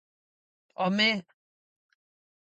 Home!